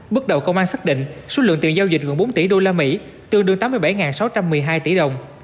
bước đầu công an xác định số lượng tiền giao dịch gần bốn tỷ usd tương đương tám mươi bảy sáu trăm một mươi hai tỷ đồng